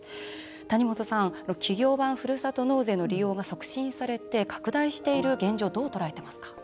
谷本さん企業版ふるさと納税の利用が促進されて拡大している現状をどう捉えていますか？